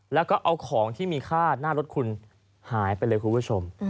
แล้วก็เอาของที่มีค่าหน้ารถคุณหายไปเลยคุณผู้ชม